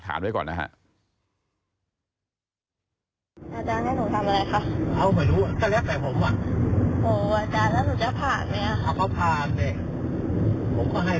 แล้วอาจารย์เนี่ย